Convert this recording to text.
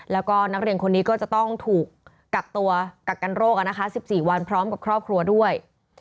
แล้วก็นักเรียนคนนี้ก็จะต้องถูกกักตัวกักกันโรค๑๔วันพร้อมกับครอบครัวด้วย